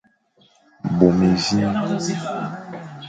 Bôm évîn.